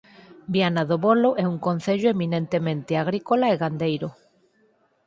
Viana do Bolo é un concello eminentemente agrícola e gandeiro.